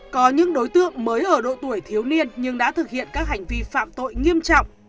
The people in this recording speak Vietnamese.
có những đối tượng mới ở độ tuổi thiếu niên nhưng đã thực hiện các hành vi phạm tội nghiêm trọng